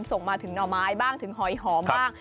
ส่งมาถึงหน่อไม้บ้างถึงหอยหอมบ้าง